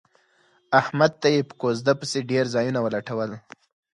احمد ته یې په کوزده پسې ډېر ځایونه ولټول.